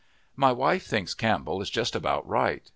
My wife thinks Campbell is just about right.